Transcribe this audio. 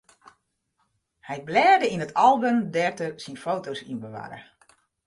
Hy blêde yn it album dêr't er syn foto's yn bewarre.